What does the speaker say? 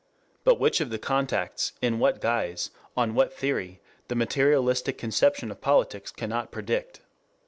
But which of the contacts, in what guise, on what theory, the materialistic conception of politics cannot predict.